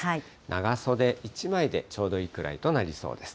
長袖１枚でちょうどいいくらいとなりそうです。